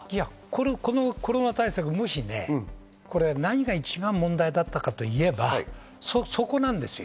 コロナ対策、何が一番問題だったかと言えば、そこなんですよ。